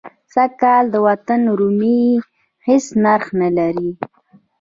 سږ کال د وطن رومي هېڅ نرخ نه لري.